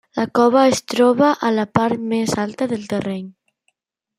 La cova es troba a la part més alta del terreny.